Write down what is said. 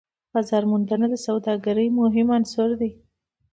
بازارموندنه د سوداګرۍ مهم عنصر دی.